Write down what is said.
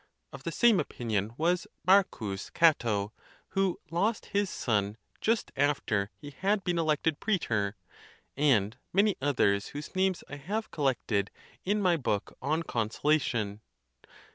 Of the same opinion was M. Cato, who lost his son just after he had been elected preetor, and many others, whose names I have collected in my book on Consolation.